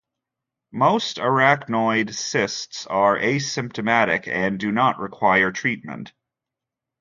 Most arachnoid cysts are asymptomatic, and do not require treatment.